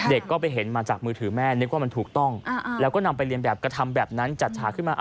เด็กก็ไปเห็นมาจากมือถือแม่นึกว่ามันถูกต้องแล้วก็นำไปเรียนแบบกระทำแบบนั้นจัดฉากขึ้นมา